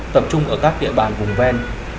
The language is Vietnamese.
tập trung ở các địa bàn vùng ven